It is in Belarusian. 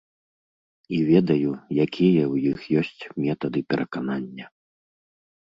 І ведаю, якія ў іх ёсць метады пераканання.